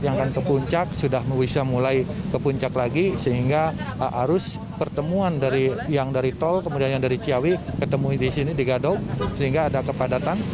yang akan ke puncak sudah bisa mulai ke puncak lagi sehingga arus pertemuan yang dari tol kemudian yang dari ciawi ketemu di sini di gadok sehingga ada kepadatan